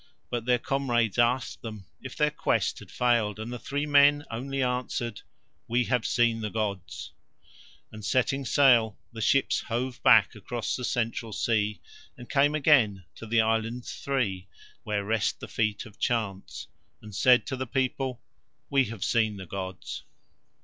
But their comrades asked them if their quest had failed and the three men only answered: "We have seen the gods." [Illustration: Lo! The Gods] And setting sail the ships hove back across the Central Sea and came again to the Islands Three, where rest the feet of Chance, and said to the people: "We have seen the gods."